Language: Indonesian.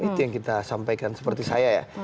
itu yang kita sampaikan seperti saya ya